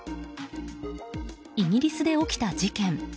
イギリスで起きた事件。